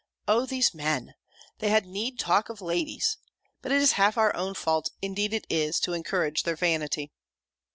O these men! They had need talk of ladies! But it is half our own fault, indeed it is, to encourage their vanity.